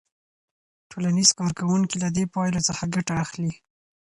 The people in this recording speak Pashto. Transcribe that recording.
ټولنیز کارکوونکي له دې پایلو څخه ګټه اخلي.